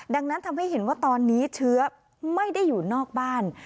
ดังนั้นทำให้เห็นว่าตอนนี้เชื้อไม่ได้อยู่นอกบ้าน